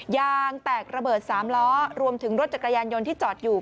ยางแตกระเบิด๓ล้อรวมถึงรถจักรยานยนต์ที่จอดอยู่